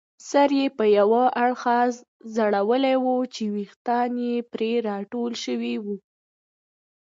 سر یې پر یوه اړخ ځړولی وو چې ویښتان یې پرې راټول شوي وو.